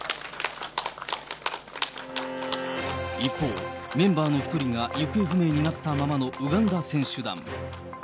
一方、メンバーの一人が行方不明になったままのウガンダ選手団。